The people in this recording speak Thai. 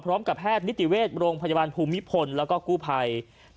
พร้อมกับแพทย์นิติเวชโรงพยาบาลภูมิพลแล้วก็กู้ภัย